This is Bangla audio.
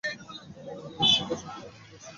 সব শিল্পীই তাদের শিল্প বেচে খায়।